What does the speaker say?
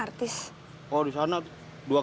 hengan dilaporkan dengan berat belakang